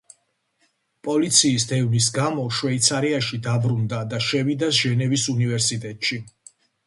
პოლიციის დევნის გამო შვეიცარიაში დაბრუნდა და შევიდა ჟენევის უნივერსიტეტში.